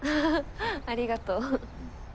ありがとう。